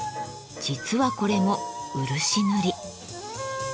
実はこれも漆塗り。